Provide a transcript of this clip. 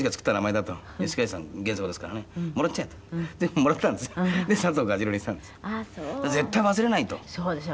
だから、絶対忘れないと。